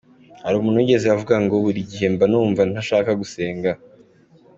Hari umuntu wigeze avuga ngo, “Buri gihe mba numva ntashaka gusenga.